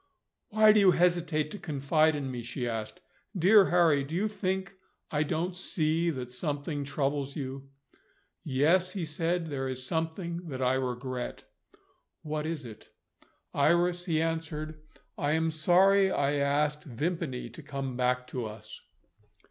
"Why do you hesitate to confide in me?" she asked. "Dear Harry, do you think I don't see that something troubles you?" "Yes," he said, "there is something that I regret." "What is it?" "Iris," he answered, "I am sorry I asked Vimpany to come back to us."